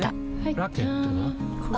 ラケットは？